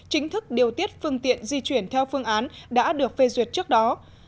chính thức điều tiết phương tiện di chuyển theo phương án đã được phê duyệt trước đó